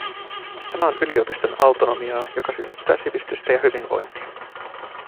Tämä on yliopiston autonomiaa, joka synnyttää sivistystä ja hyvinvointia.